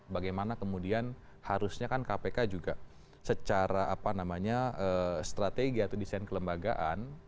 bagaimana kemudian harusnya kan kpk juga secara apa namanya strategi atau desain kelembagaan